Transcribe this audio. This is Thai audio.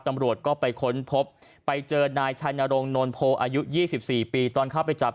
ตำรวจก็ไปค้นพบไปเจอนายชัยนรงโนนโพอายุ๒๔ปีตอนเข้าไปจับ